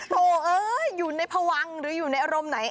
โตเอ้ยอยู่ในพวังหรืออยู่ในอารมณ์ไหน